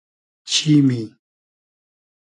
چیمی